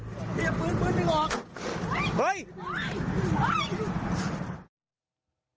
ที่หยีบปืนเองออก